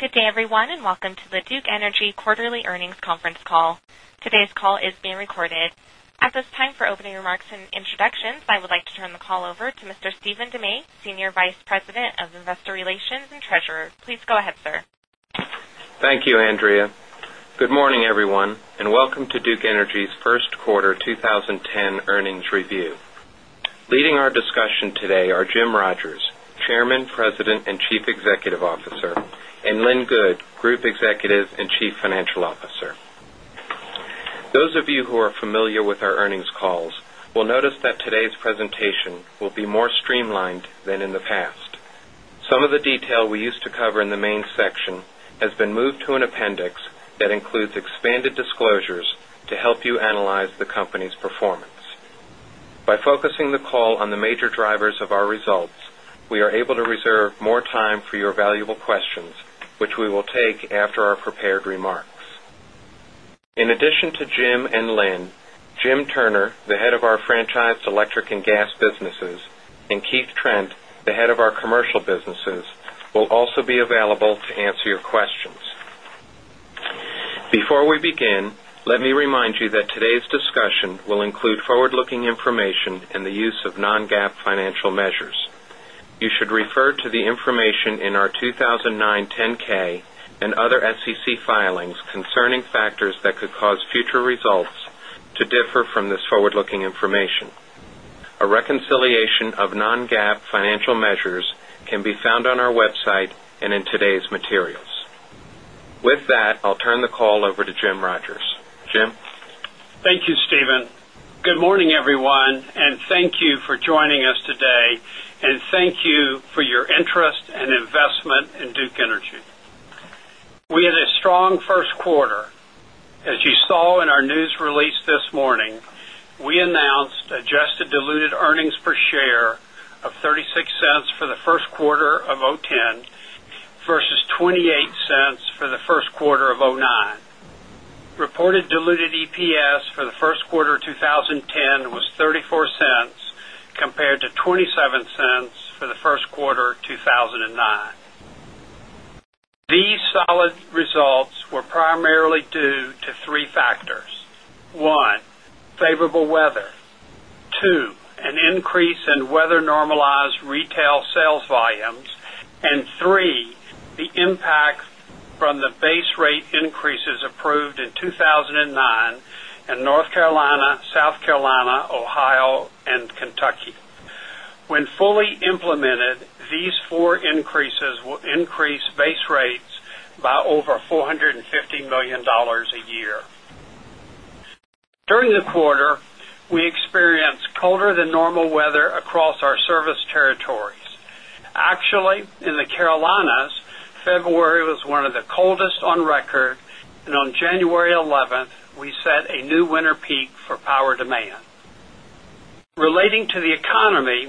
Day, everyone, and welcome to the Duke Energy Quarterly Earnings Conference Call. Today's call is being recorded. At this time, for opening remarks and introductions, I would like to turn the call over to Mr. Stephen DeMay, Senior Vice President of Investor Relations and Treasurer. Please go ahead, sir. Thank you, Andrea. Good morning, everyone, and welcome to Duke Energy's Q1 2010 earnings review. Leading our discussion today are Jim Rogers, Chairman, President and Chief Executive Officer and Lynn Good, Group Executive and Chief Financial Officer. Those of you who are familiar with our earnings calls will notice that today's presentation will be more streamlined than in the past. Some of the detail we used to cover in the main section has been moved to an appendix that includes expanded disclosures to help you analyze the company's performance. By focusing the call on the major drivers of our results, we are able to reserve more time for your valuable questions, which we will take after our prepared remarks. In addition to Jim and Lynn, Jim Turner, the Head of our Franchise Electric and Gas Businesses and Keith Trent, the Head of our Commercial Businesses will also be available to answer your questions. Before we begin, let me remind you that today's discussion will include forward looking information and the use of non GAAP financial measures. You should refer to the information in our 2,009 10 ks and other SEC filings concerning factors that could cause future results to differ from this forward looking information. A reconciliation of non GAAP financial measures can be found on our website and in today's materials. With that, I'll turn the call over to Jim Rogers. Jim? Thank you, Stephen. Good morning, everyone, and thank you for joining us today and thank you for your interest and investment in Duke Energy. We had a strong Q1. As you saw in our news release this morning, we announced adjusted diluted earnings per share of 0.3 dollars for the Q1 of 'ten versus $0.28 for the Q1 of 'nine. Reported diluted EPS for the Q1 of 2010 was $0.34 compared to $0.27 for the first quarter of 2009. These solid results were primarily due to 3 factors: 1, favorable weather 2, an increase in weather normalized retail sales volumes and 3, the impact from the base rate increases approved in 2,009 in North Carolina, South Carolina, Ohio and Kentucky. When fully implemented, these four increases will increase base rates by over 4 $50,000,000 a year. During the quarter, we experienced colder than normal weather across our service territories. Actually, in the Carolinas, February was one of the coldest on record and on January 11, we set a new winter peak for power demand. Relating to the economy,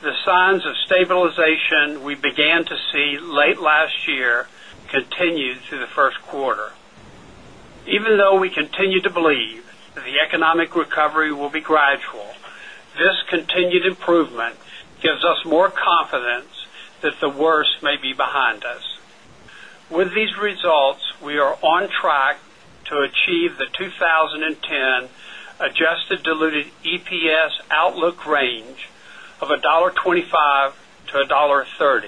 the signs of stabilization we began to see late last year continued through the Q1. Even though we continue to believe the economic recovery will be gradual, This continued improvement gives us more confidence that the worst may be behind us. With these results, we are on track to achieve the 2010 adjusted diluted EPS outlook range of 1.25 dollars to $1.30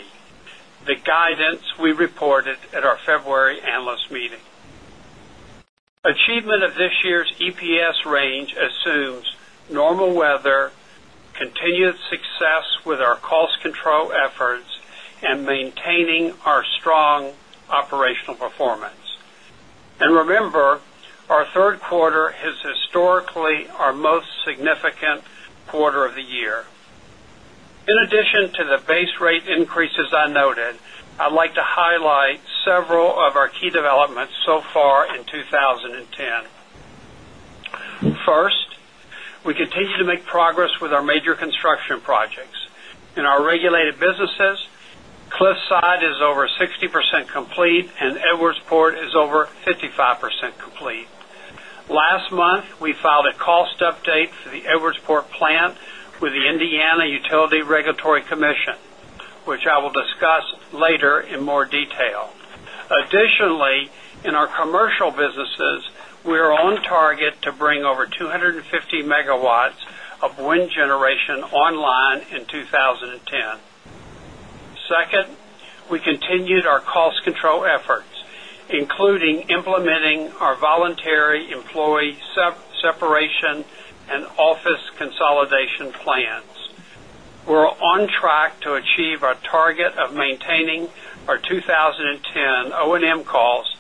the guidance we reported at our February Analyst Meeting. Achievement of this year's EPS range assumes normal weather, continued success with our cost control efforts and maintaining our strong operational performance. And remember, our Q3 has historically our most significant quarter of the year. In addition to the base rate increases I noted, I'd like to highlight several of our key developments so far in 2010. 1st, we continue to make progress with our major construction projects. In our regulated businesses, Cliffside is over 60 percent complete and Edwardsport is over 55% complete. Last month, we filed a cost update for the Edwardsport plant with the Indiana Utility Regulatory Commission, which I will discuss later in more detail. Additionally, in our commercial businesses, we are on target to bring over 2 50 megawatts of wind generation online in 2010. 2nd, we continued our cost control efforts, including implementing voluntary employee separation and office consolidation plans. We're on track to achieve our target of maintaining our 20 10 O and M cost,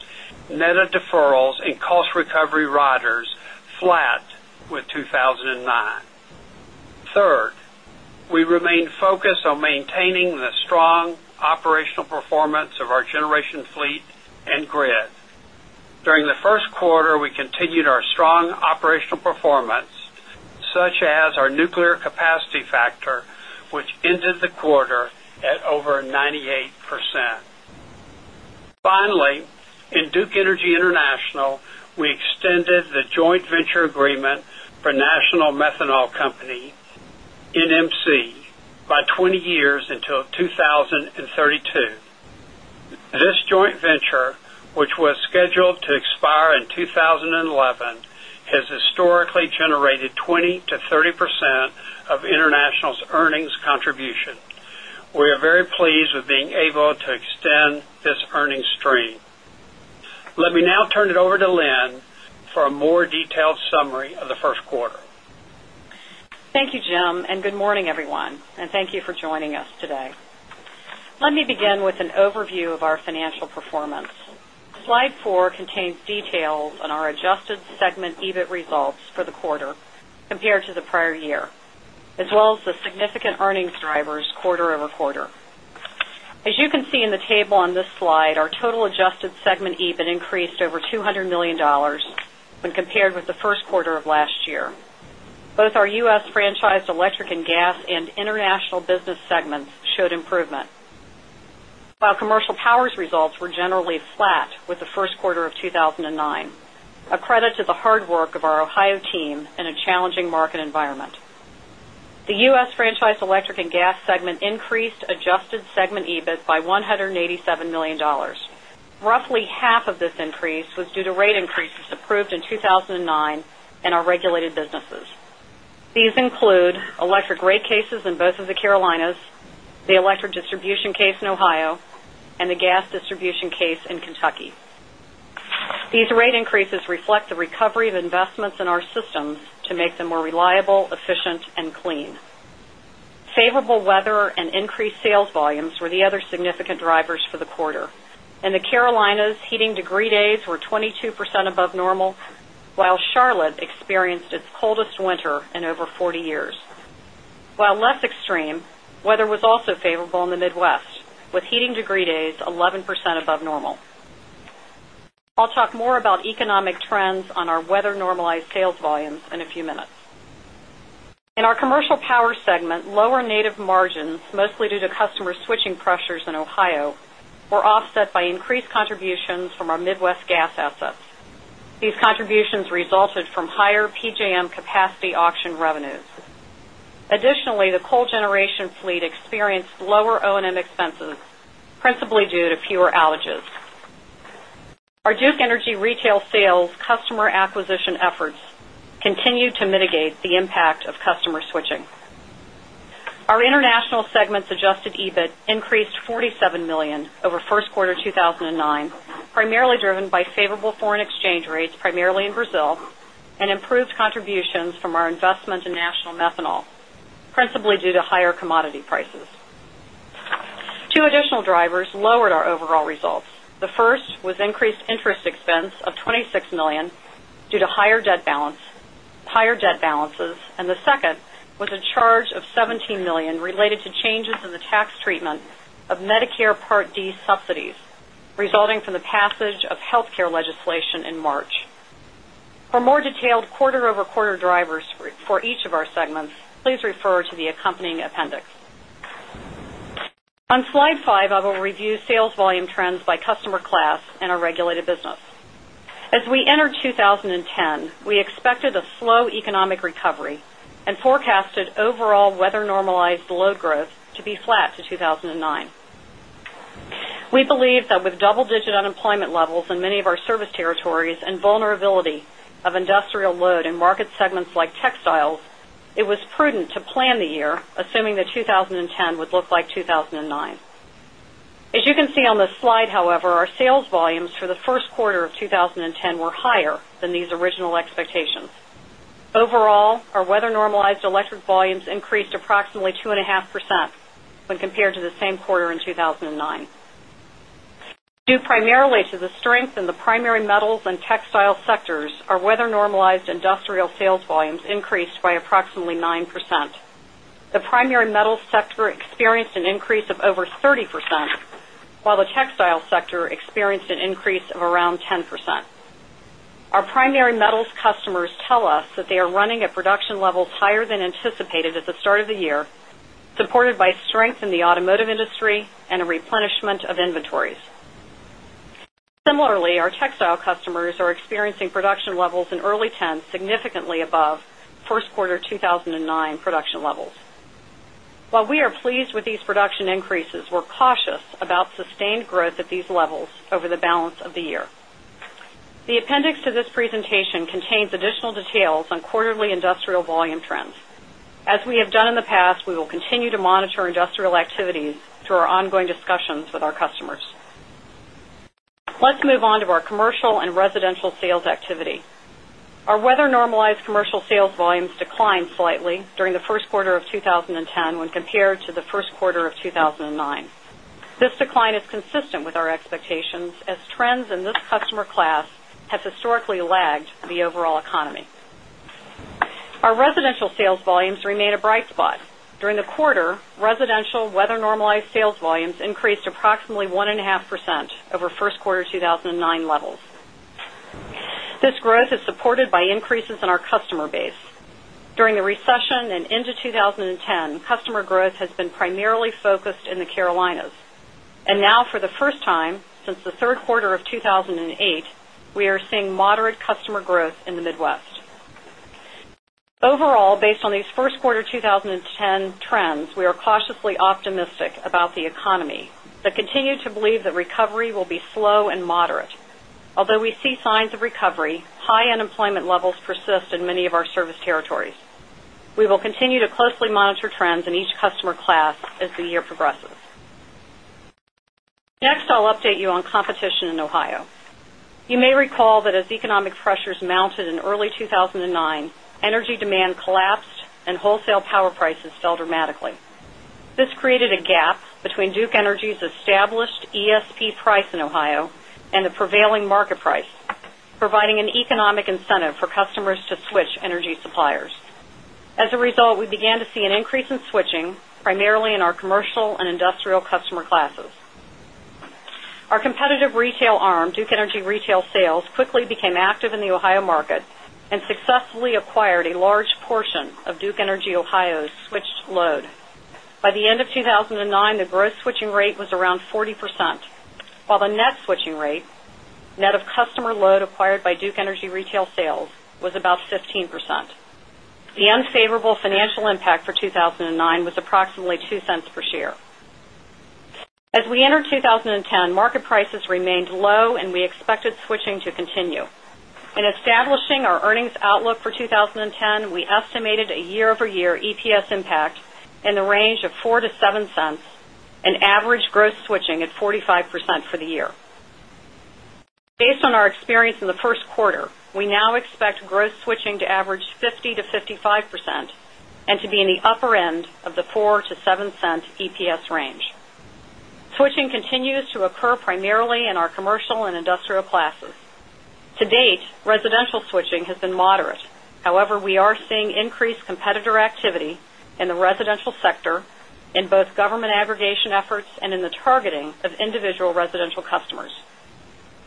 net of deferrals and cost recovery riders flat with 2,009. 3rd, we remain focused on maintaining the strong operational performance of our generation fleet and grid. During the Q1, we continued our strong operational performance such as our nuclear capacity factor, which ended the quarter at over 98%. Finally, in Duke Energy International, we extended the joint venture agreement for National Methanol Company, NMC, by 20 years until 2,032. This joint venture, which was scheduled to expire in 2011, has historically generated 20% to 30% of international's earnings contribution. We are very pleased with being able to extend this earnings stream. Let me now turn it over to Lynn for a more detailed summary of the Q1. Thank you, Jim, and good morning, everyone, and you for joining us today. Let me begin with an overview of our financial performance. Slide 4 contains details on our adjusted segment EBIT results for the quarter compared to the prior year as well as the significant earnings drivers quarter over quarter. As you can see in the table on this our total adjusted segment EBIT increased over $200,000,000 when compared with the Q1 of last year. Both our U. S. Franchised electric and gas and international business segments showed improvement. While commercial power's results were generally flat with the Q1 of 2,009, a credit to the hard work of our Ohio team in a challenging market environment. The U. S. Franchise electric and gas segment increased adjusted segment EBIT by $187,000,000 Roughly half of this increase was due to rate increases approved in 2,009 in our regulated businesses. These include electric rate cases in both of the Carolinas, the electric distribution case in Ohio, and the gas distribution case in Kentucky. These rate increases reflect the recovery of investments in our systems significant drivers for the quarter. In the Carolinas, heating degree days were 22% above normal, while Charlotte experienced its coldest winter in over 40 years. While less extreme, weather was also favorable in the Midwest with heating degree days 11% above normal. I'll talk more about economic trends on our weather normalized sales volumes in a few minutes. In our commercial power segment, lower native margins, mostly due to customer switching pressures in Ohio, were offset by increased contributions from our Midwest gas assets. These contributions resulted from higher PJM capacity auction revenues. Additionally, the coal generation fleet experienced lower O and O and M expenses, principally due to fewer outages. Our Duke Energy retail sales customer acquisition efforts continue to mitigate the impact of customer switching. Our international segment's adjusted EBIT increased $47,000,000 over Q1 2019, primarily driven by favorable foreign exchange rates, primarily in Brazil and improved contributions from our investments in National Methanol, principally due to higher commodity prices. 2 additional drivers lowered our overall results. The first was increased interest expense of 26,000,000 dollars due to higher debt balances and the second was a charge of $17,000,000 related to changes in the tax treatment of Medicare Part D subsidies, resulting from the passage of healthcare legislation in March. For more detailed quarter over quarter drivers for each of our segments, please refer to the accompanying appendix. On Slide 5, I will review sales volume trends by customer class and our regulated business. As we enter 2010, we expected a slow economic recovery and forecasted of our service territories and vulnerability of industrial load in market segments like textiles, it was prudent to plan the year assuming that 2010 would look like 2 1,009. As you can see on this slide, however, our sales volumes for the Q1 of 2010 were higher than these original expectations. Overall, our weather normalized electric volumes increased approximately 2.5% when compared to the same quarter in 2,009. Due primarily to the strength in the primary metals and textile sectors, our weather normalized industrial sales volumes increased by approximately 9%. The primary metals sector experienced an increase of over 30%, while the textile sector experienced an increase of around 10%. Our primary metals customers tell us that they are running at production levels higher than anticipated at the start of the year, supported by strength in the automotive industry and a replenishment of inventories. Similarly, our textile customers are experiencing production levels in early 10s significantly above Q1 2019 production levels. While we are pleased with these production increases, we're cautious about sustained growth at these levels over the balance of the year. The appendix to this presentation contains additional details on quarterly industrial volume trends. As we have done in the past, we will continue to monitor industrial activities through our ongoing discussions with our customers. Let's move on to our commercial and residential sales activity. Our weather normalized commercial sales volumes declined slightly during the Q1 of 20 10 when compared to the Q1 of 2009. This decline is consistent with our expectations as trends in this customer class have historically lagged the overall economy. Our residential sales volumes remain a bright spot. During the quarter, residential weather normalized sales volumes increased our customer base. During the recession and into 2010, customer growth has been primarily focused in the Carolinas. And now for the first time since the Q3 of 2008, we are seeing moderate customer growth in the Midwest. Overall, based on these Q1 2010 trends, we are cautiously optimistic about the economy, but continue to believe that recovery will be slow and moderate. Although we see signs of recovery, high unemployment levels persist in many of our service territories. We will continue to closely monitor trends in each customer class as the year progresses. Next, I'll update you on competition in Ohio. You may recall that economic pressures mounted in early 2009, energy demand collapsed and wholesale power prices fell dramatically. This created a gap between Duke Energy's established ESP price in Ohio and the prevailing market price, providing an economic incentive for customers to switch energy suppliers. As a result, we began to see an increase in switching, primarily in our commercial and industrial customer classes. Our competitive retail arm, Duke Energy Retail Sales, quickly became active in the Ohio market and successfully acquired a large portion of Duke Energy Ohio's switched load. By the end of 2009, the gross switching rate was around 40%, while the net switching rate, net of customer load acquired by Duke Energy retail sales, was about 15%. The unfavorable financial impact for 2,009 was approximately $0.02 per share. As we entered 2010, market prices remained low and we expected switching to continue. In establishing our earnings outlook for 20 10, we estimated a year over year EPS impact in the range of 0 point $4 to 0 point 0 $7 and average gross switching at 45% for the year. Based on our experience in the Q1, we now expect gross switching to average 50% to 55% and to be in the upper end of the $0.04 to 0 point 0 $7 EPS range. Switching continues to occur primarily in our commercial and industrial classes. To date, residential switching has been moderate. However, we are seeing increased competitor activity in the residential sector in both government aggregation efforts and in the targeting of individual residential customers.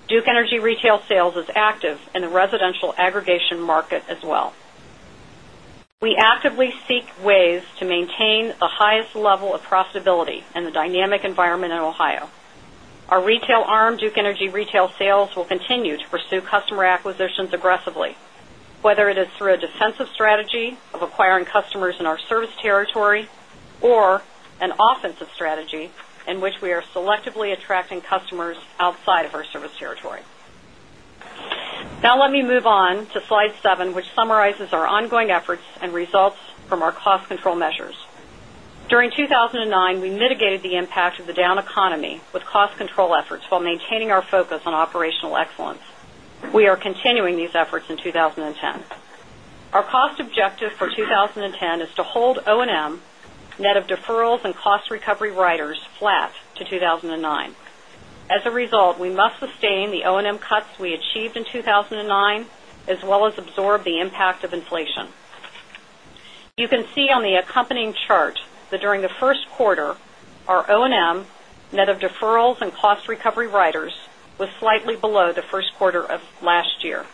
Duke Energy retail sales is active in the residential aggregation market as well. We actively seek ways to maintain the highest level of profitability in the dynamic environment in Ohio. Our retail arm, Duke Energy Retail Sales, will territory or an offensive strategy in which we are selectively attracting customers outside of our service territory. Now let me move on to Slide 7, which summarizes our ongoing efforts and results from our cost control measures. We are continuing these efforts in 20 10 We are continuing these efforts in 2010. Our cost objective for 20.10 is to hold O and M, net of deferrals and recovery riders flat to 2,009. As a result, we must sustain the O and M cuts we achieved in 2,009 as well as absorb the impact of inflation. You can see on the accompanying chart that during the Q1, our O and M, net of deferrals and cost recovery riders, was slightly below the Q1 of last year.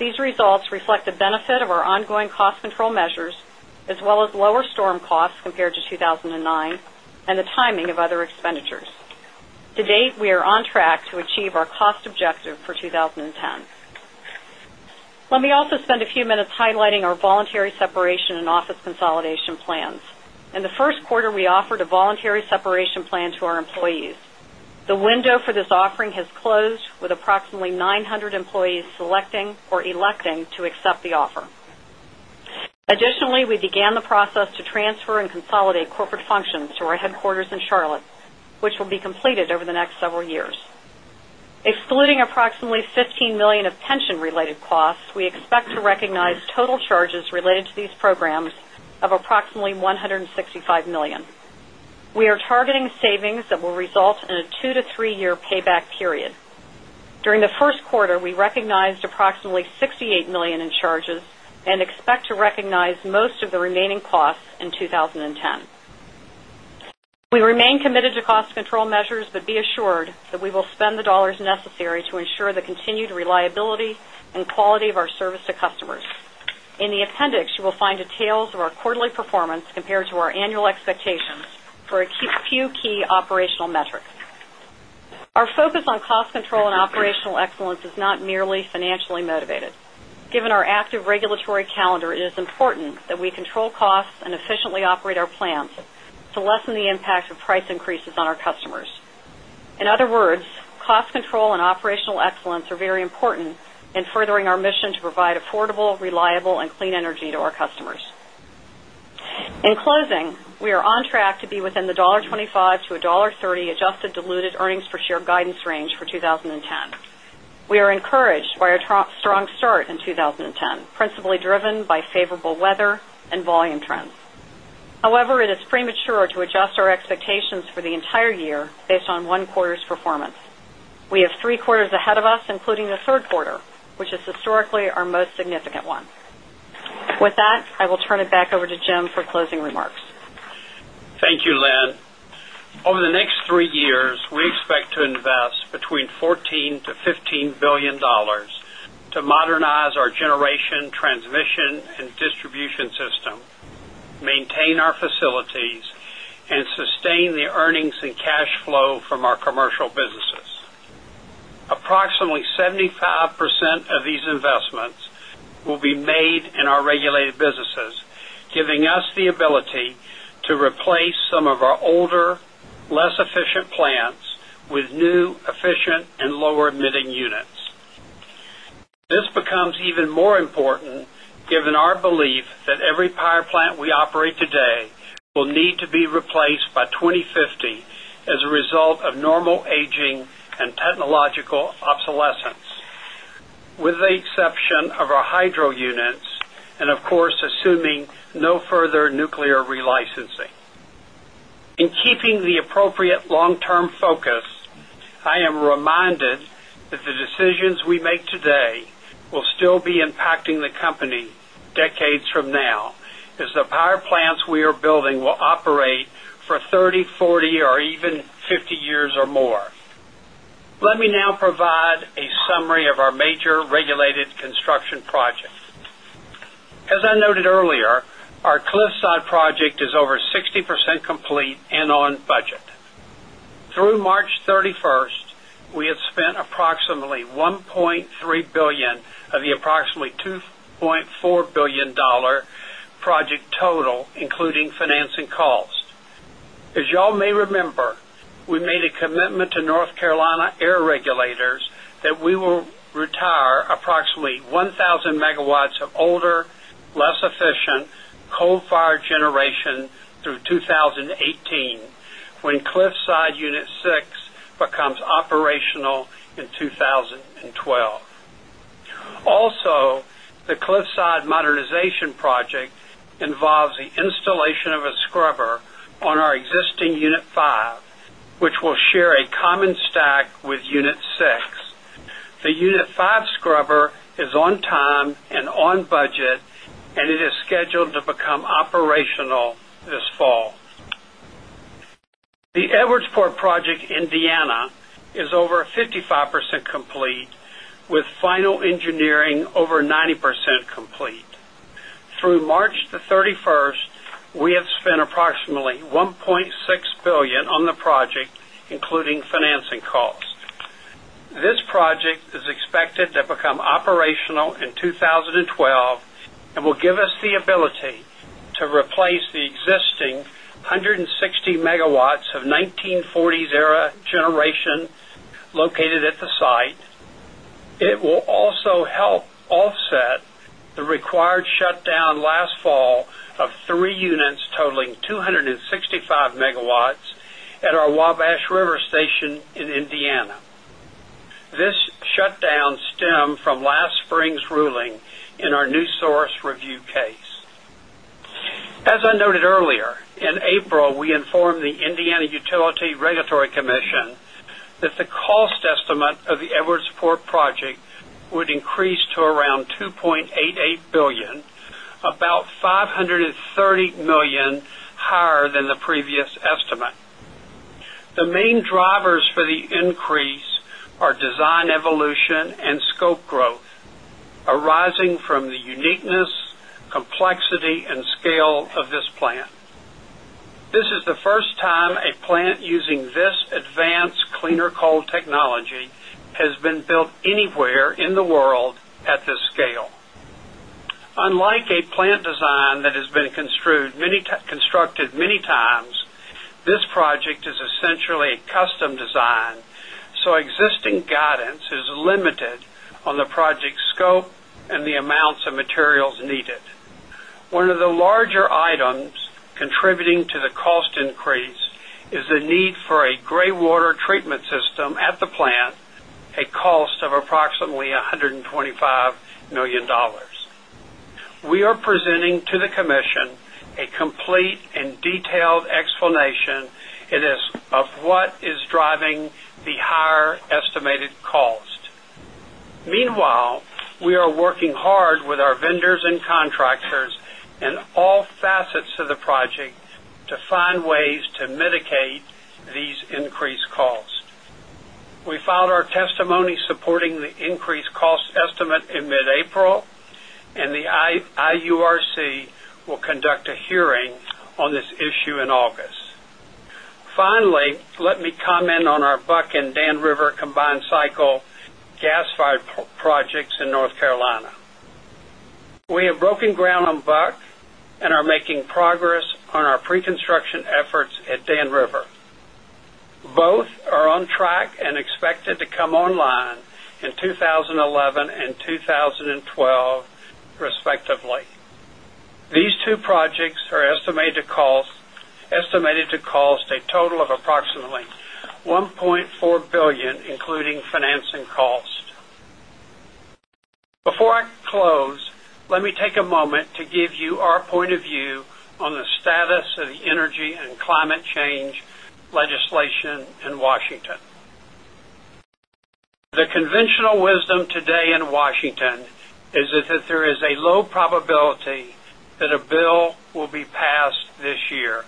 These results reflect the benefit of our ongoing cost control measures as well as lower storm costs compared to 2,009 and the timing of other expenditures. To date, we are on track to achieve our cost objective for 2010. Let me also spend a few minutes highlighting our voluntary separation and office consolidation plans. In the Q1, we offered a voluntary separation plan to our employees. The window for this offering has closed with approximately 900 employees selecting or electing to accept the offer. Additionally, we began the process to transfer and consolidate corporate functions to our headquarters in Charlotte, which will be completed over the next several years. Excluding approximately $15,000,000 of pension related costs, we expect recognize total charges related to these programs of approximately $165,000,000 We are targeting savings that will result in a 2 to 3 year payback period. During the Q1, we recognized approximately $68,000,000 in charges and expect to recognize most of the remaining costs in 2010. We remain committed to cost control measures, but be assured that we will spend the dollars necessary to ensure the continued reliability and quality of our service to customers. In the appendix, you will find details of our quarterly performance compared to our annual expectations for a few key operational metrics. Our focus on cost control and operational excellence is not merely financially motivated. Given our active regulatory calendar, it is important that we control costs and efficiently operate our plants to lessen the impact of price increases on our customers. In other words, cost control and operational excellence are very important in within the $1.25 to $1.30 adjusted diluted earnings per share guidance range for 20.10. We are encouraged by our strong start in 20 10, principally driven by favorable weather and volume trends. However, it is premature to adjust our expectations for the entire year based on 1 quarter's performance. We have 3 quarters ahead of us, including the 3rd quarter, which is historically our most significant one. With that, I will turn it back over to Jim for closing remarks. Thank you, Lynn. Over the next 3 years, we expect to invest between $14,000,000,000 to $15,000,000,000 to modernize our generation, transmission and distribution system, maintain our facilities and sustain the earnings and cash flow from our commercial businesses. Approximately 75% of these investments will be made in our regulated businesses, giving us the ability to replace some of our older, less efficient plants with new efficient and lower emitting units. This becomes even more important given our belief that every power plant we operate today will need to be replaced by 2,050 as a result of normal aging and technological obsolescence, with the exception of our hydro units and of course assuming no further nuclear relicensing. In keeping the appropriate long term focus, I am reminded that the decisions we make today will still be impacting the company decades from now as the power plants we are building will operate for 30, 40 or even 50 years or more. Let me now provide a summary of our major regulated construction projects. As I noted earlier, our cliffside project is over 60% complete and on budget. Through March 31, we have spent approximately $1,300,000,000 of the approximately $2,400,000,000 project total, including financing costs. As you all may remember, we made a commitment to North Carolina air regulators we will retire approximately 1,000 megawatts of older, less efficient coal fired generation through 2018 when Cliffside Unit 6 becomes operational in 2012. Also, the Cliffside modernization project involves the installation of a scrubber on our existing Unit 5, which will share a common stack with Unit 6. The Unit 5 scrubber is on time and on budget and it is scheduled to become operational this fall. The Edwardsport project Indiana is over 55% complete with final engineering over 90% complete. Through March 31, we spent approximately $1,600,000,000 on the project, including financing costs. This project is expected to become operational in 2012 and will give us the ability to replace the existing 160 Megawatts of 19 40s era generation located at the site. It will also help offset the required shutdown last fall of 3 units totaling 265 Megawatts at our Wabash River Station in Indiana. This shutdown stemmed from last spring's ruling in our new source review case. As I noted earlier, in April, we informed the Indiana Utility Regulatory Commission that the cost estimate of the Edwards Port project would increase to around $2,880,000,000 about $530,000,000 higher than the previous estimate. The main drivers for the increase this plant. This is the first time a plant using this advanced cleaner coal technology has been built anywhere in the world at this scale. Unlike a plant design that has been constructed many times, this project is essentially a custom design, so existing guidance is limited on the project scope and the amounts of materials needed. 1 of the larger items contributing to the cost increase is the need for a graywater treatment system at the plant, a cost of approximately $125,000,000 We are presenting to the commission a complete and detailed explanation of what is driving the higher estimated cost. Meanwhile, we are working hard with our vendors and contractors in all facets of the project to find ways to mitigate these on this issue in August. Finally, let me comment on our Buck and Dan River combined cycle gas fired projects in North Carolina. We have broken ground on Buck and are making progress on our preconstruction efforts at Dan River. Both are on track and expected to come online in 2011 2012, respectively. These two projects are estimated to cost a total of approximately 1 400,000,000 including financing cost. Before I close, let me take a moment to give you our point of view on the status of the Energy and Climate Change legislation in Washington. The conventional wisdom today in Washington is that there is a low probability that a bill will be passed this year.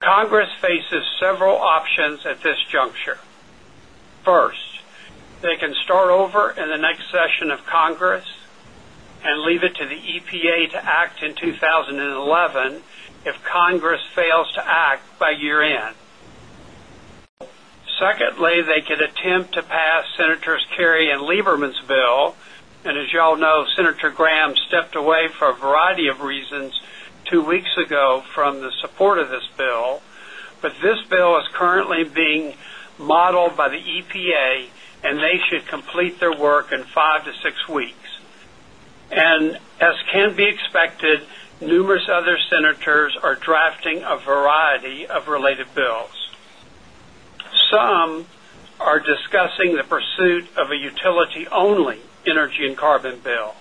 Congress faces several options at this juncture. First, they can start over in the next session of Congress and leave it to the EPA to act in 2011 if Congress fails to act by year end. Secondly, they could attempt to pass senators Kerry and Lieberman's bill and as you all know, Senator Graham stepped away for a variety of reasons 2 weeks ago from the support of this bill, but this bill is currently being modeled by the EPA and they should complete their work in 5 to 6 weeks. And as can be expected, numerous other senators are drafting a variety of related bills. Some are discussing the pursuit of a utility only energy and carbon bill.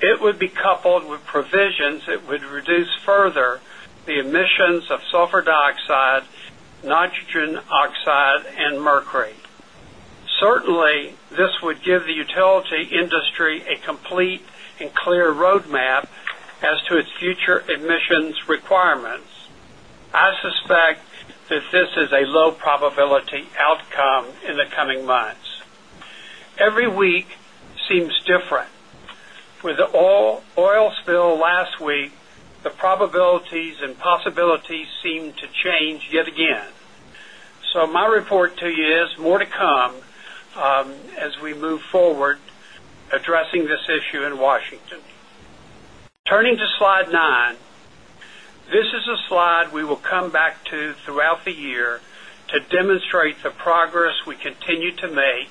It would be with provisions that would reduce further the emissions of sulfur dioxide, nitrogen oxide and mercury. Certainly, this would give the utility industry a complete and clear roadmap as to its future admissions requirements, I suspect that this is a low probability outcome in the coming months. Every week seems different. With the oil spill last week, the probabilities and possibilities seem to change yet again. So my report to you is more to come as we move forward addressing this issue in Washington. Turning to Slide 9. This is a slide we will come back to throughout the year to demonstrate the progress we continue to make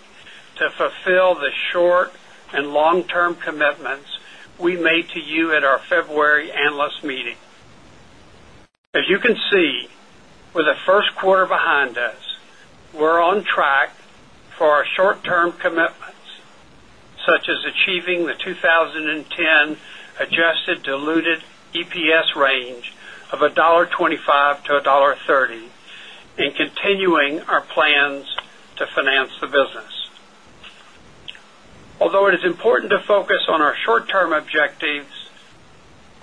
to fulfill the short and long term commitments we made to you at our February Analyst Meeting. As you can see, with the Q1 behind us, we're on track for our short term commitments such as achieving the 2010 adjusted diluted EPS range of $1.25 to $1.30 and continuing our plans to finance the business. Although it is important to focus on our short term objectives,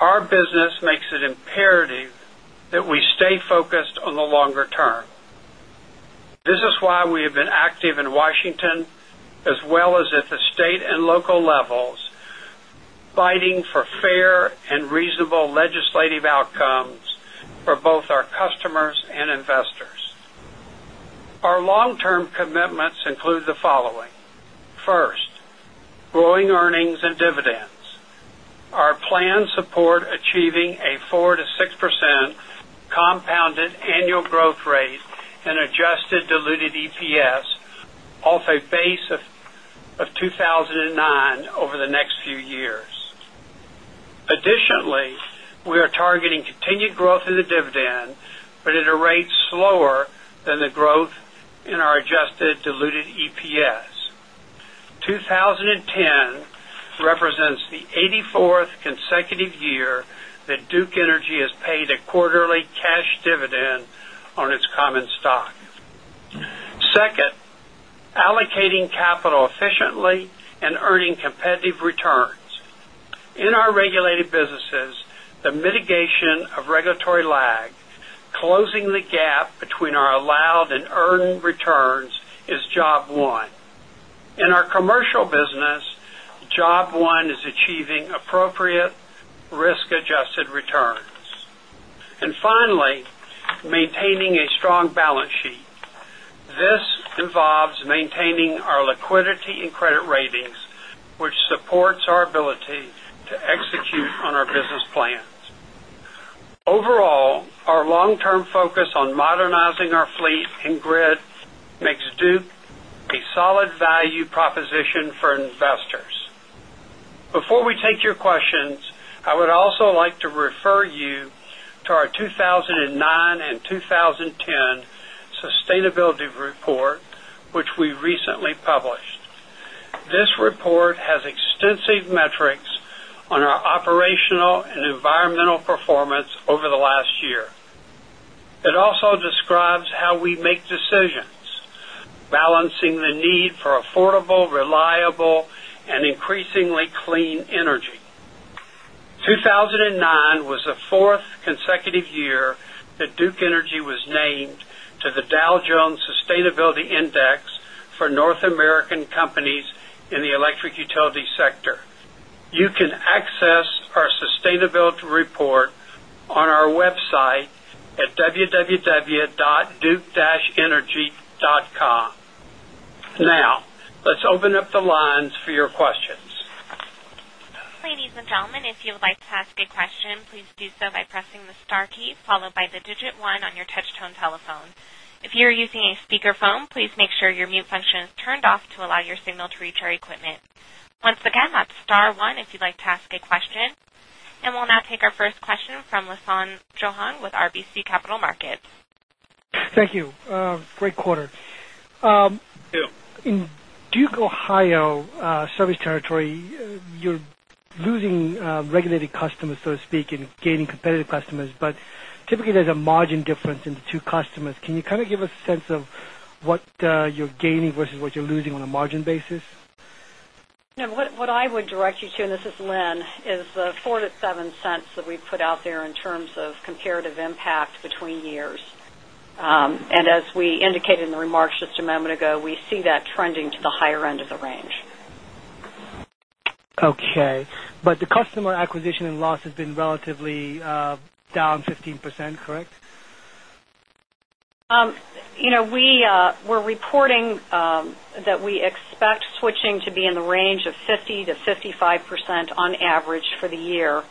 our business makes it imperative that we stay focused on the longer term. This is why we have been active in Washington as well as at the state and local levels fighting for fair and reasonable legislative outcomes for both our customers and investors. Our long plans support achieving a 4% to 6% compounded annual growth rate and adjusted diluted EPS off a base of 2,009 over the next few years. Additionally, we are targeting continued growth in the dividend, but at a rate slower than the growth in our adjusted diluted EPS. 2010 represents the 84th consecutive year that Duke Energy has paid a quarterly cash dividend on its common stock. 2nd, allocating capital 2nd, allocating capital efficiently and earning competitive returns. In our regulated businesses, the mitigation of regulatory lag, closing the gap between our allowed and earned returns is job 1. In our which supports our ability to execute on our business plans. Overall, our long term focus on modernizing our fleet and grid makes Duke a solid value proposition for investors. Before we take your questions, I would also like to refer you to our 2,009 and 2010 sustainability report, which we recently published. This report has extensive metrics on our operational and environmental performance over the last year. It also describes how we make decisions, balancing the need for affordable, reliable and increasingly clean energy. 1,009 was the 4th consecutive year that Duke Energy was named to the Dow Jones Sustainability Index for North American Companies in the Electric Utility Sector. You can access our sustainability report on our website at www.dukeenergy.com. Now, let's open up the lines for your questions. And we'll now take our first question from Lisanne Johan with RBC Capital Markets. Thank you. Great quarter. In Duke, Ohio service territory, you're losing regulated customers, so to speak, and gaining competitive customers. But typically, there's a margin difference in the 2 customers. Can you kind of give us a sense of what you're gaining versus what you're losing on a margin basis? What I would direct you to, and this is Lynn, is the $0.04 to $0.07 that we put out there in terms of comparative impact between years. And as we indicated in the remarks just a moment ago, we see that trending to the higher end of the range. Okay. But the customer acquisition and loss has been relatively down 15%, correct? We're reporting that we expect switching to be in the range of 50% to 55% on average for the year.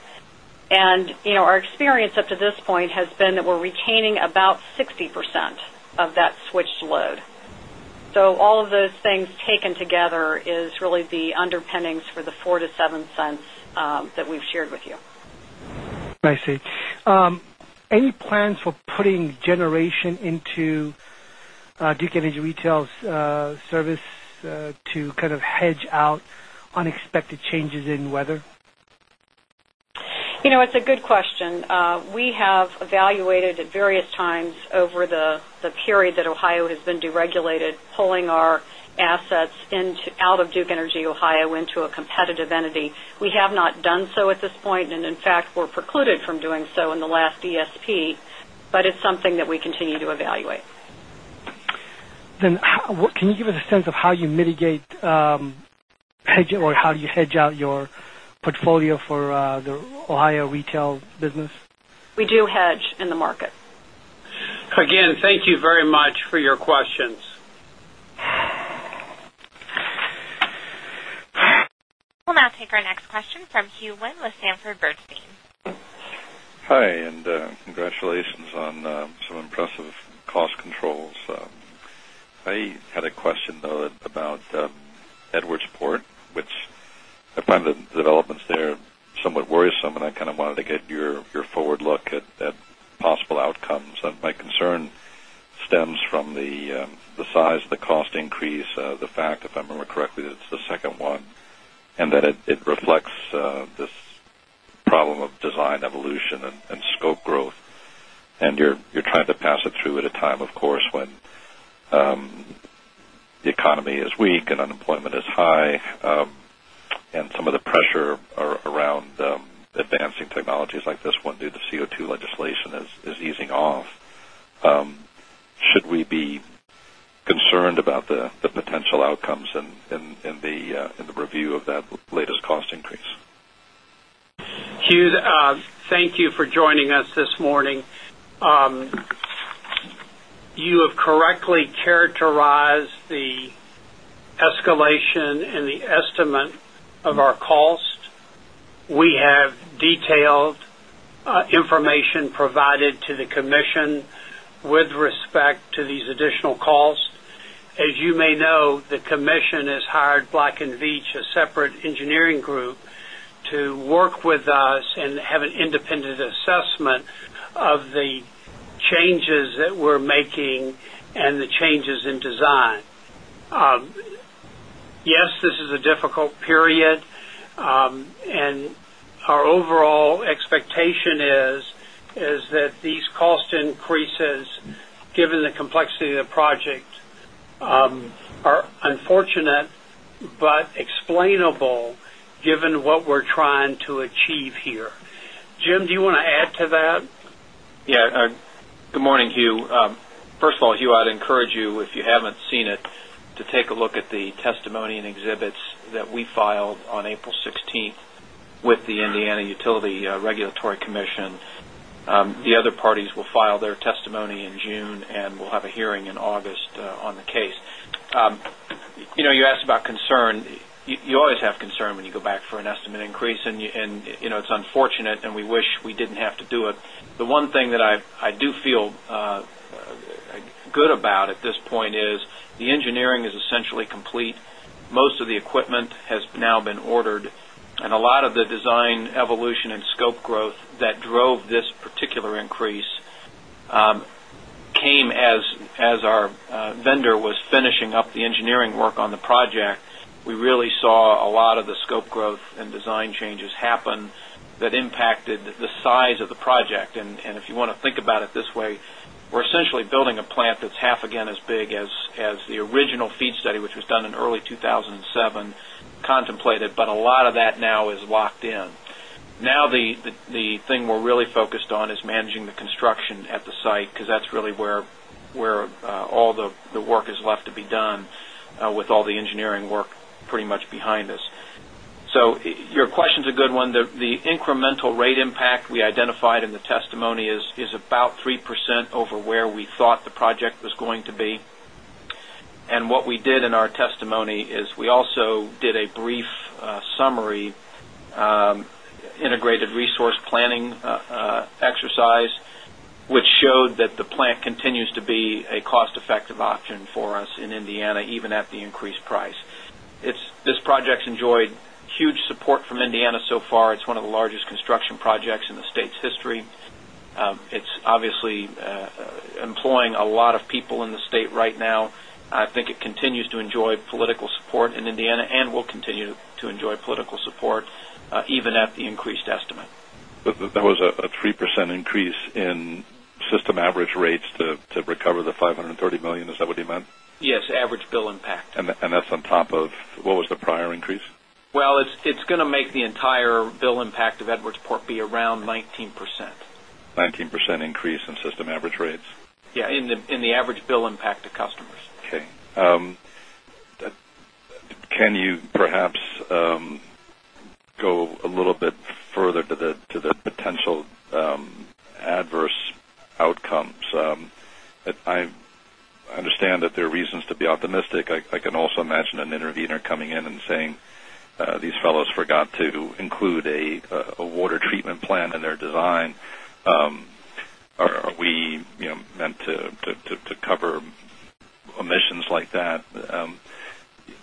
And our experience up to this point has been that we're retaining about 60% of that switched load. So all of those things taken together is really the underpinnings for the $0.04 to $0.07 that we've shared with you. I see. Any plans for putting generation into Duke Energy Retail's service to kind of hedge out unexpected changes in weather? It's a good question. We have evaluated at various times over the period that Ohio has been deregulated, pulling our assets out of Duke Energy Ohio into a competitive entity. We have not done so at this point, and in fact, we're precluded from doing so in the last ESP, but it's something that we continue to evaluate. Then can you give us a sense of how you mitigate or how you hedge out your portfolio for the Ohio retail business? We do hedge in the market. We'll now take our next question from Hugh Wynn with Sanford Bernstein. Hi, and congratulations on some impressive cost controls. I had a question though about Edwards Port, which I find the developments there somewhat worrisome and I kind of wanted to get your forward look at possible outcomes. My concern stems from the size of the cost increase, the fact if I remember correctly that it's the second one, and that it reflects this problem of design evolution and scope growth. And you're trying to pass it through at a time of course when the economy is weak and unemployment is high and some of the pressure around advancing technologies like this one due to CO2 legislation is easing off, Should we be concerned about the potential outcomes in the review of that latest cost increase? Hughes, thank you for joining us this morning. You have correctly characterized the escalation and the estimate of our cost. We have detailed information provided to the commission with respect to these additional costs. As you may know, the commission has hired Black and Veatch, a separate engineering group, to work with Yes, this is a difficult period and our overall expectation is that these cost increases given the complexity of the project are unfortunate, but explainable given what we're trying to achieve here. Jim, do you want to add to that? Yes. Good morning, Hugh. First of all, Hugh, I'd encourage you if you haven't seen it to take a look at the testimony and exhibits that we filed on April 16 with the Indiana Utility Regulatory Commission. The other parties will file their testimony in June and we'll have a hearing in August on the case. You asked about concern, you always have concern when you go back for an estimate increase and it's unfortunate and we wish we didn't have to do it. The one thing that I do feel good about at this point is the engineering is essentially complete. Most of the equipment has now been ordered and a lot of the design evolution and scope growth that drove this particular increase came as our vendor was finishing up the engineering work on the project. We really saw a lot of the scope growth and design changes happen that impacted the size of the project. And if you want to think about it this way, we're essentially building a plant that's half again as big as the original FEED study, which was done in early 2007 contemplated, but a lot of that now is locked in. Now the thing we're really focused on is managing engineering work pretty much behind us. So your question is a good one. The incremental rate impact we identified in the testimony is about 3% over where we thought the project was going to be. And what we did in our testimony is we also did a brief summary integrated resource planning exercise, which showed that the plant continues to be a cost effective option for us in Indiana even at the increased price. This project has enjoyed huge support from Indiana so far. It's one of the largest construction projects in the state's history. It's obviously employing a lot of people in the state now. I think it continues to enjoy political support in Indiana and will continue to enjoy political support even at the increased estimate. That was a 3% increase in system average rates to recover the $530,000,000 is that what you meant? Yes, average bill impact. And that's on top of what was the prior increase? Well, it's going to make the entire bill impact of Edwardsport be around 19%. 19% increase in system average rates? Yes, in the average bill impact to customers. Okay. Can you perhaps go a little bit further to the potential adverse outcomes? I understand that there are reasons to be optimistic. I can also imagine an intervener coming in and saying, these fellows forgot to include a water treatment plant in their design. Are we meant to cover emissions like that?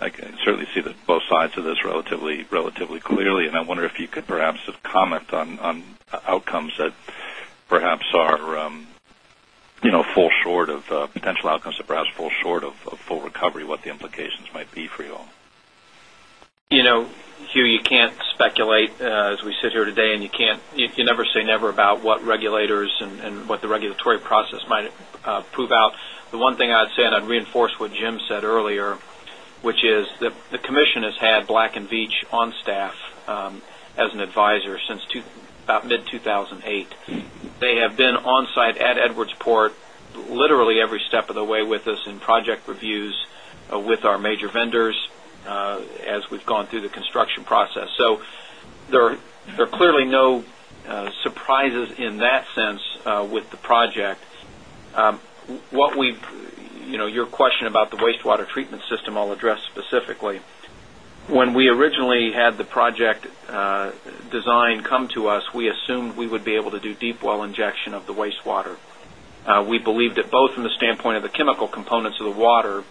I can certainly see both sides of this relatively clearly. And I wonder if you could perhaps comment on outcomes that perhaps are fall short of potential outcomes or perhaps fall short of full recovery, what the implications might be for you all? Hugh, you can't speculate as we sit here today and you can't you never say never about what regulators and what the regulatory process might prove out. The one thing I'd say and I'd reinforce what Jim said earlier, which is the commission has had Black and Veatch on staff as an advisor since about mid-two 1008. They have been on-site at Edwards Port literally every step of the way with us in project reviews with our major vendors as we've gone through the construction process. So there are clearly no surprises in that sense with the project. What we your question about the wastewater treatment system, I'll address specifically. We believe that both from the standpoint of the chemical components of the water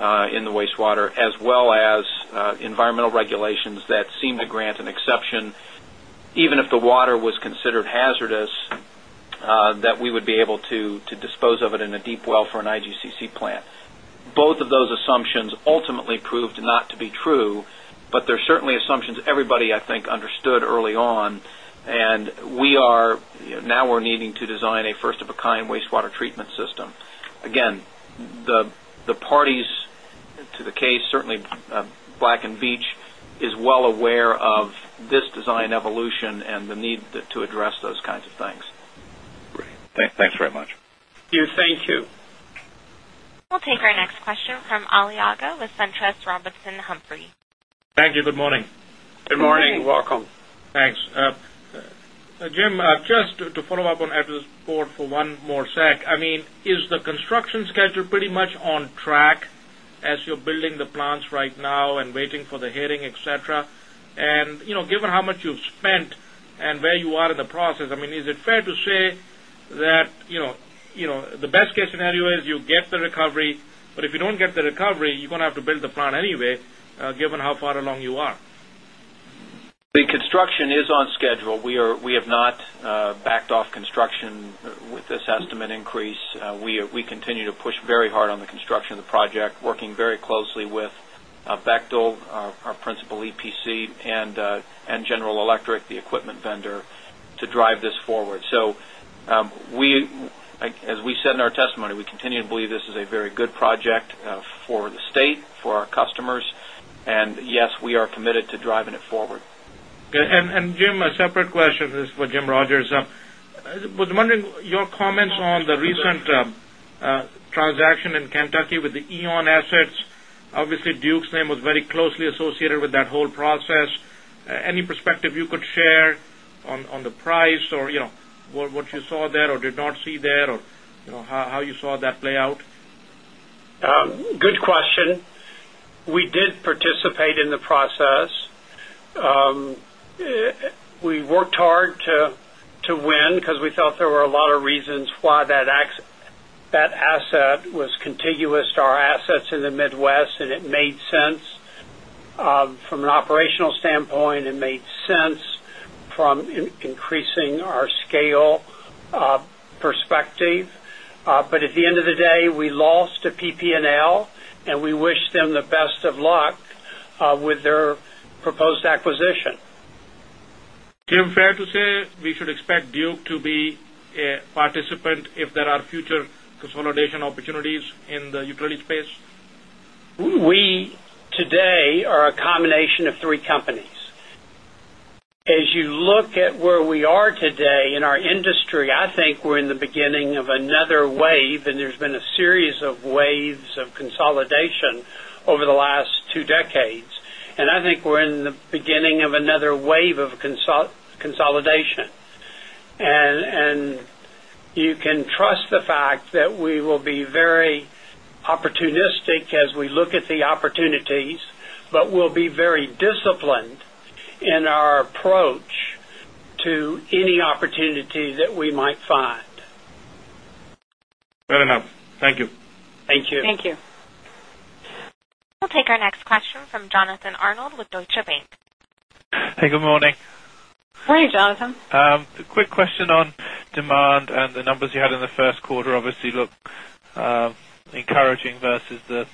in the wastewater as well as environmental regulations that seem to grant an exception, even if the water was considered hazardous, that we would be able to dispose of it in a deep well for an IGCC plant. Now we're now we're needing to design a first of a kind wastewater treatment system. Again, the parties to the case certainly Black and Veatch is well aware of this design evolution and the need to address those kinds of things. Great. Thanks very much. Thank you. We'll take our next question from Ali Agha with SunTrust Robinson Humphrey. Thank Jim, just to follow-up on addressable board for one more sec. I mean, is the construction schedule pretty much on track as you're building the plants right now and waiting for the hearing, etcetera? And given how much you've spent and where you are in the process, I mean, is it fair to say that the best case scenario is you get the recovery, but if you don't get the recovery, you're going to have to build the plant anyway, given how far along you are. The construction is on schedule. We have not backed off construction with this estimate increase. We continue to push very hard on the construction of the project, working very closely with Bechtel, our principal EPC and General Electric, the equipment vendor to drive this forward. So we as we said in our testimony, we continue to believe this is a very good project for the state, for our customers, and yes, we are committed to driving it forward. And Jim, a separate question. This is for Jim Rogers. I was wondering your comments on the recent transaction in see share on the price or what you saw there or did not see there or how you saw that play out? Good question. We did participate in the process. We worked hard win because we felt there were a lot of reasons why that asset was contiguous to our assets in the Midwest and it made sense. From an operational standpoint, it made sense from increasing our scale perspective. But at the end of the day, we lost to PP and L and we wish them the best of luck with their proposed acquisition. Jim, fair to say, we should expect utilities space? We today are a combination of 3 companies. As you look at where we are today in our industry, I think we're in the beginning of another wave and there's been a series of waves of consolidation over the last 2 decades. And I think we're in the beginning of another wave of consolidation. And you can trust the fact that we will be very opportunistic as we look at the opportunities, but we'll be very disciplined in our approach to any opportunity that we might find. Fair enough. Thank you. Thank you. Thank you. We'll take our next question from Jonathan Arnold with Deutsche Bank. Hey, good morning. Good morning, Jonathan. A quick question on demand and the numbers you had in the Q1 obviously look encouraging versus the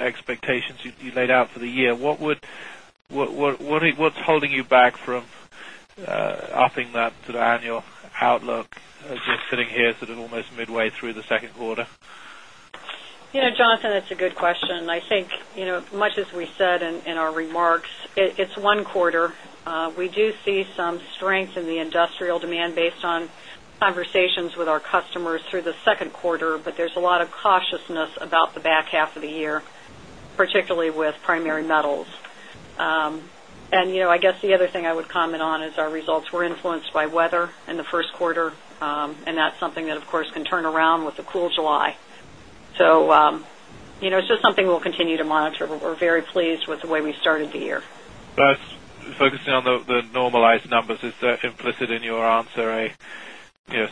expectations you laid out for the year. What's holding you back from upping that sort of annual outlook just sitting here sort of almost midway through the Q2? Jonathan, it's a good question. I think as much as we said in our remarks, it's 1 quarter. We do see some strength in the industrial demand based on conversations with our customers through the Q2, but there's a lot of cautiousness about the back half of the year, and that's something that, of course, can turn around with a cool July. And that's something that, of course, can turn around with a cool July. So it's just something we'll continue to monitor. We're very pleased with the way we started the year. Focusing on the normalized numbers, is that implicit in your answer a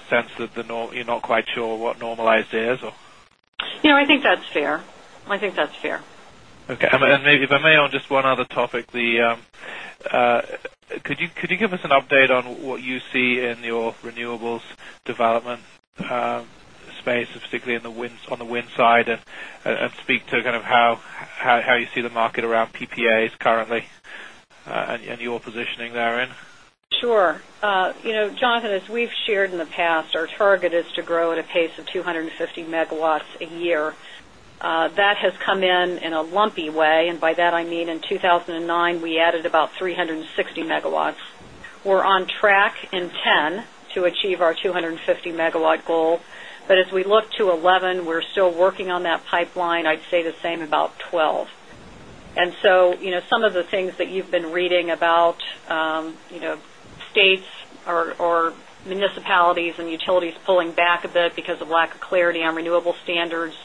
sense that you're not quite sure what normalized is or? I think that's fair. I think that's fair. Okay. And maybe if I may on just one other topic, could you give us an update on what you see in your renewables development space, specifically on the wind side and speak to kind of how you see the market around PPAs currently and your positioning therein? Sure. Jonathan, as we've shared in the past, our target is to grow at a pace of 2 50 megawatts a year. That has come in, in a lumpy way. And by that, I mean in 2,009, we added about 3 60 megawatts. We're on track in 2010 to achieve our 2 50 megawatt goal. But as we look to 2011, we're still working on that pipeline, I'd say the same about 12. And so some of the things that you've been reading about states or municipalities and utilities pulling back a bit because of lack of clarity on renewable standards,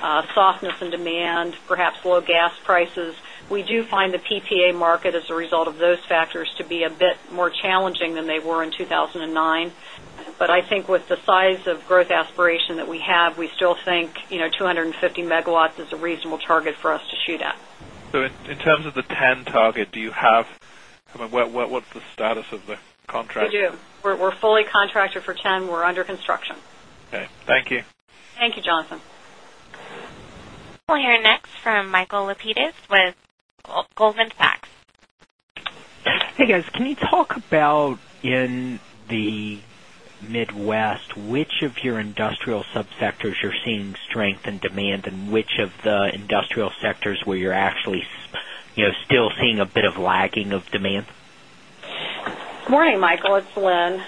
softness in demand, perhaps low gas prices, we do find the PPA market as a result of those factors to be a bit more challenging than they were in 2,009. But I think with the size of growth aspiration that we have, we still think 250 megawatts is a reasonable target for us to shoot at. So in terms of the 10 target, do you have I mean, what's the status of the contract? We do. We're fully contracted for 10. We're under construction. Okay. Thank you. Thank you, Jonathan. We'll hear next from Michael Lapides with Goldman Sachs. Hey, guys. Can you talk about in the Midwest, which of your industrial subsectors you're seeing strength in demand and which of the industrial sectors where you're actually still seeing a bit of lagging of demand? Good morning, Michael. It's Lynn.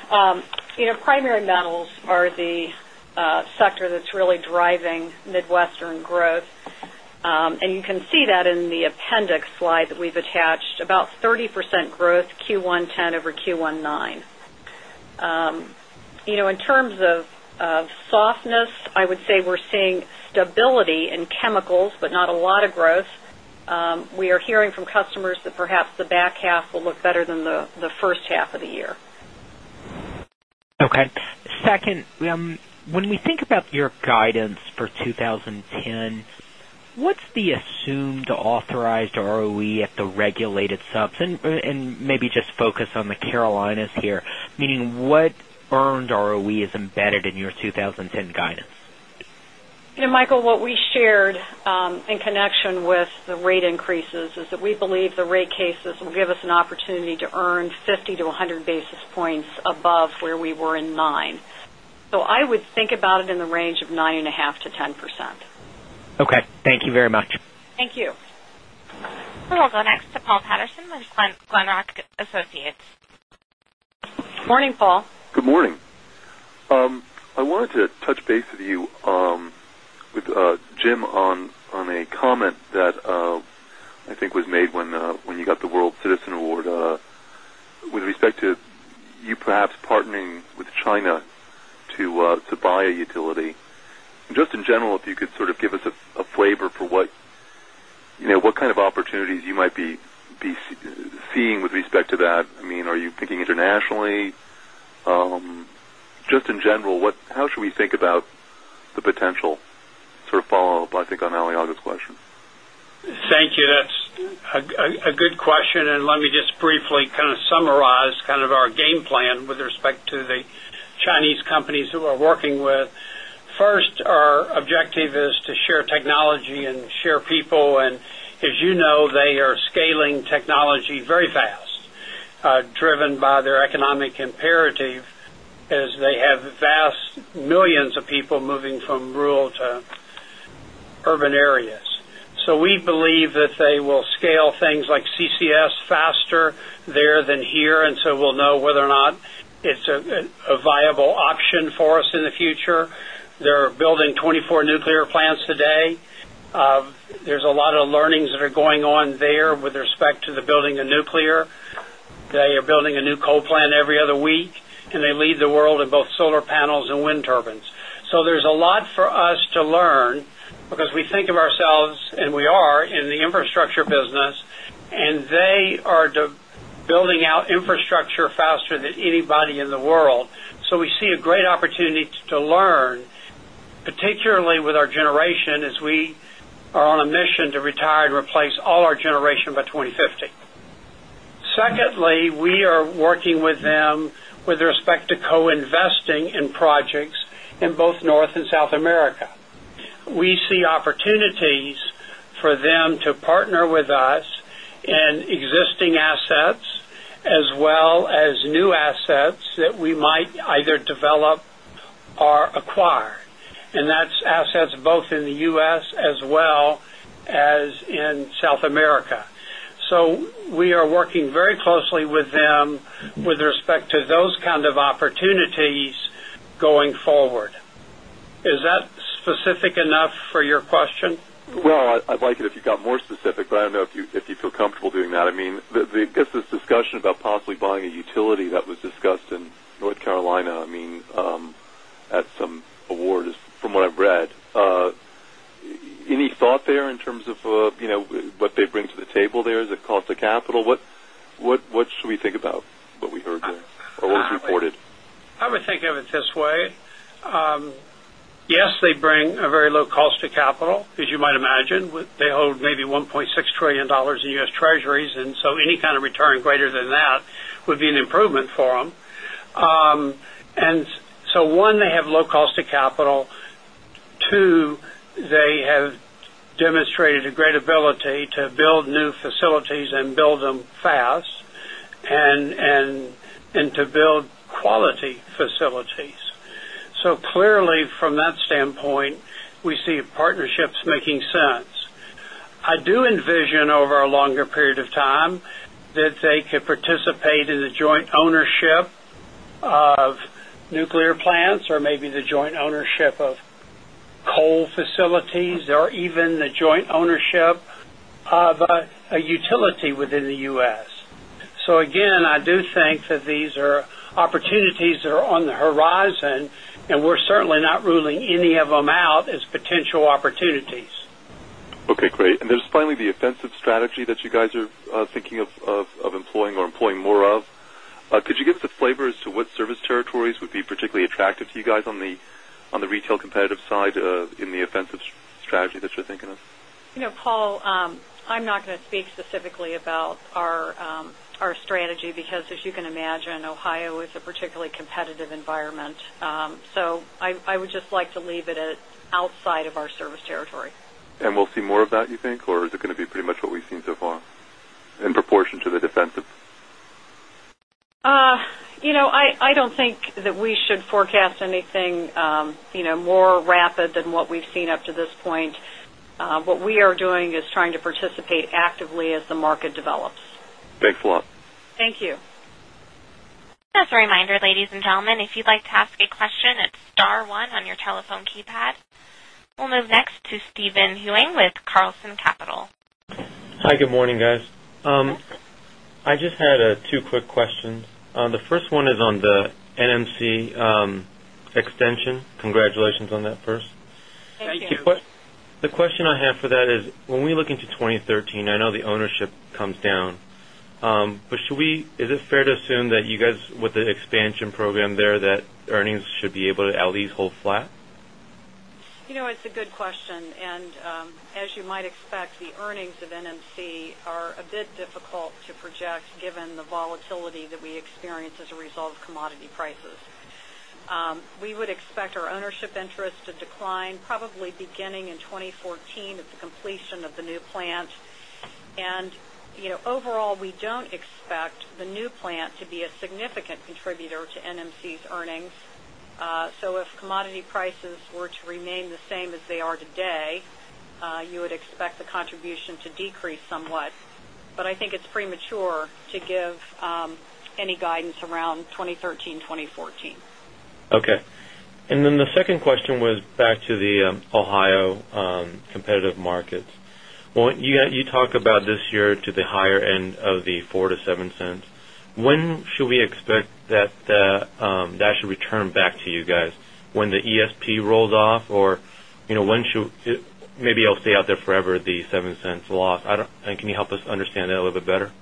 Primary metals are the sector that's really driving Midwestern growth. You can see that in the appendix slide that we've attached, about 30% growth Q1 'ten over Q1 'nineteen. In terms of softness, I would say we're seeing stability in chemicals, but not a lot of growth. We are hearing from customers that perhaps the back half will look better than the first half of the year. Okay. 2nd, when we think about your guidance for 20 20 10 guidance? Michael, what we shared in connection with the rate increases is that we believe the rate cases will give us an opportunity to earn 50 basis points to 100 basis points above where we were in 9%. So I would think about it in the range of 9.5% to 10%. Okay. Thank you very much. Thank you. We will go next to Paul Patterson with Glenrock Associates. Good morning, Paul. Good morning. I wanted to touch base with you with Jim on a comment that I think was made when you got the World Citizen Award with respect to you perhaps partnering with China to buy a utility. And just in general, if you could sort of give us a flavor for what kind of opportunities you might be seeing with respect to that? I mean, are you thinking internationally? Just in general, what how should we think about the potential sort of follow-up, I think on Ali Aga's question? Thank you. That's a good question. And let me just briefly summarize our game plan with respect to the Chinese companies who are working with. First, our objective is to share technology and share people and as you know, they are scaling technology very fast, driven by their economic imperative as they have vast millions of people moving from rural to urban areas. So we believe that they will scale things also seeing a lot of growth in the U. S. And we're seeing a lot of 24 nuclear plants today. There's a lot of learnings that are going on there with respect to the building of nuclear. They are the of ourselves and we are in the infrastructure business and they are building out infrastructure faster than anybody in the world. So we see a great opportunity to learn particularly with our generation as we are on a mission to retire and replace all our in projects in both North and South America. We see opportunities for them to partner with us that's assets both in the U. S. As well as in South America. So we are working very closely with them with respect to those kind of opportunities going forward. Is that specific enough for your question? Well, I'd like it if you got more specific, but I don't know if you feel comfortable doing that. I mean, I guess this discussion about possibly buying a utility that was discussed in North Carolina, I mean, at some award from what I've read. Any thought there in terms of what they bring to the table there as a cost of capital? What should we think about what we heard there or what was reported? I would think of it this way. Yes, they bring a very low cost to capital, as you might imagine, they hold maybe $600,000,000,000 in U. S. Treasuries and so any kind of return greater than that would be an improvement for them. And so one, they have low cost of capital. 2, they have demonstrated a great ability to build new facilities and build them standpoint, we see partnerships making sense. Standpoint, we see partnerships making sense. I do envision over a longer period of time that they could participate in the joint ownership of ownership of a utility within the U. S. So again, I do think that these are opportunities that are on the horizon and we're certainly not ruling any of them out as potential opportunities. Okay, great. And then finally the offensive strategy that you guys are thinking of employing more of. Could you give us a flavor as to what service territories would be particularly attractive to you guys on the retail competitive side in the offensive strategy that you're thinking of? Paul, I'm not going to speak specifically about our strategy because as you can imagine, Ohio is a particularly competitive environment. So, I would just like to leave it at outside of our service territory. And we'll see more of that, you think? Or is it going to be pretty much what we've seen so far in proportion to the defensive? I don't think that we should forecast anything more rapid than what we've seen up to this point. What we are doing is trying to participate actively as the market develops. Thanks a lot. Thank you. We'll move next to Stephen Huang with Carlson Capital. Hi, good morning guys. I just had two quick questions. The first one is on the NMC extension. Congratulations on that first. Thank you. The question I have for that is, when we look into 2013, I know the ownership comes down. But should we is it fair to assume that you guys with LEs hold flat? It's a good question. And as you might expect, the earnings of NMC are a bit difficult to project given the volatility that we experience as a result of commodity prices. We would expect our ownership interest to decline probably beginning in 2014 at the completion of the new plant. And overall, we don't expect the new plant to be a significant contributor to NMC's earnings. So if commodity prices were to remain the same as they are today, you would expect the contribution to decrease somewhat. But I think it's premature to give any guidance around 2013, 2014. Okay. And then the second question was back to the Ohio competitive markets. You talked about this year to the higher end of the 0 point $4 to 0 point 0 $7 When should we expect that that should return back to you guys when the ESP rolls off or when should maybe I'll stay out there forever the $0.07 loss. I don't know. And can you help us understand that a little bit better?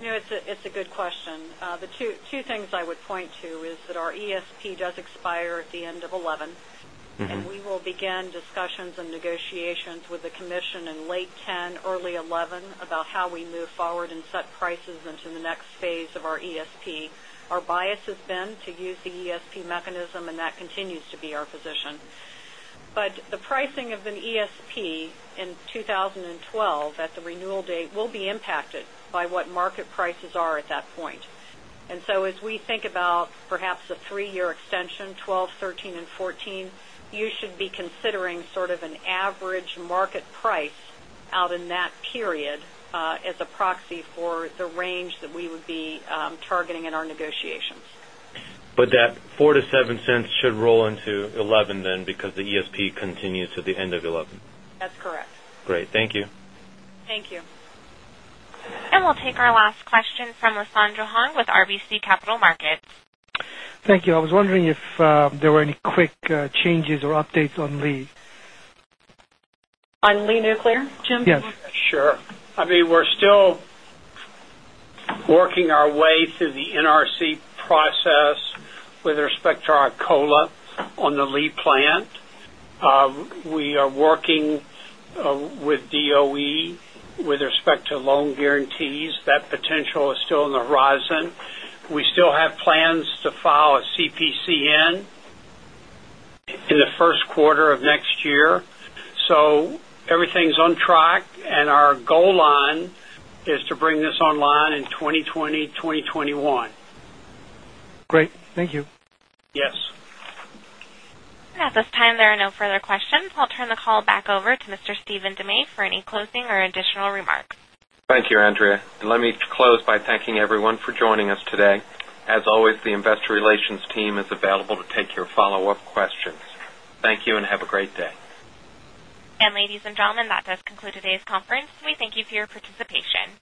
It's a good question. The two things I would point to is that our ESP does expire at the end of 2011 and we will begin discussions and negotiations with the commission in late 2010, early 2011 about how we move forward and set prices into the next phase of our ESP. Our bias has been to use the ESP mechanism and that continues to be our position. But the pricing of an ESP in 2012 at the renewal date will be impacted by what market prices are at that point. And so as we think about perhaps a 3 year extension, 'twelve, '13 and 'fourteen, you should be considering sort of an average market price out in that period as a proxy for the range that we would be targeting in our negotiations. But that $0.04 to $0.07 should roll into $0.11 then because the ESP continues to the end of $0.11? That's correct. Great. Thank you. Thank you. And we'll take our last question from Lisandro Huang with RBC Capital Markets. Thank you. I was wondering if there were any quick changes or updates on Lee? On Lee Nuclear, Jim? Yes, sure. I mean, we're still working our way through the NRC process with respect to our Cola on the Lee plant. We are working with DOE with respect to loan guarantees. That potential is still in the horizon. We still have plans to file a CPCN in the Q1 of next year. So everything is on track and our goal line is to bring this online in 2020, 2021. At this time, there are no further questions. I'll turn the call back over to Mr. Stephen Demay for any closing or additional remarks. Thank you, Andrea. Let me close by thanking everyone for joining us today. As always, the Investor Relations team is available to take your follow-up questions. Thank you and have a great day. And ladies and gentlemen, that does conclude today's conference. We thank you for your participation.